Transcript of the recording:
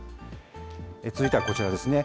続いてはこちらですね。